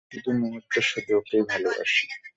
প্রতিটা মুহূর্ত শুধু ওকেই ভালোবাসি!